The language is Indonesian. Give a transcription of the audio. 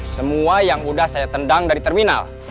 semua yang sudah saya tendang dari terminal